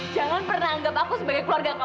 jangan pernah anggap aku sebagai keluarga kamu lagi